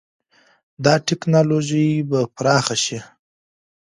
دا ټکنالوژي به پراخه شي.